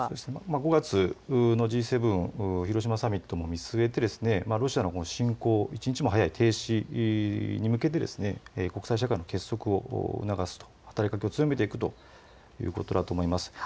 ５月のＧ７広島サミットを見据えてロシアの侵攻、一日も早い停止に向けて国際社会の結束を促すと、働きかけを強めていくということだと思います。